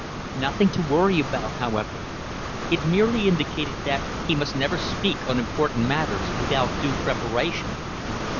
Nothing to worry about, however. It merely indicated that he must never speak on important matters without due preparation.